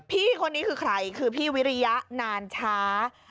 พี่คนนี้คือใครคือพี่วิริยะนานช้า